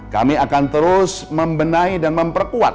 kami akan terus membenahi dan memperkuat